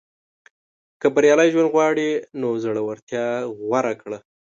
• که بریالی ژوند غواړې، نو زړورتیا غوره کړه.